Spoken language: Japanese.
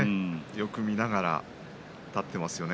よく見ながら立っていますよね。